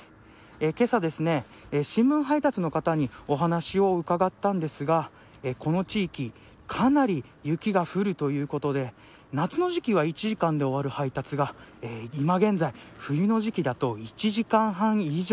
けさ、新聞配達の方にお話を伺ったんですがこの地域かなり雪が降るということで夏の時期は１時間で終わる配達が今現在、冬の時期だと１時間半以上。